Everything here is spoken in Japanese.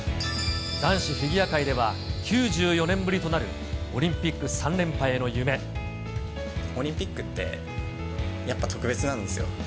男子フィギュア界では、９４年ぶりとなるオリンピック３オリンピックってやっぱ特別なんですよ。